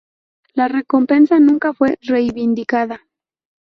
La recompensa nunca fue reivindicada.